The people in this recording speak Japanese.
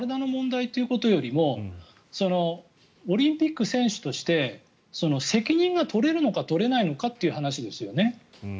今回問われたのは体の問題ということよりもオリンピック選手として責任が取れるのか取れないのかという話ですよね。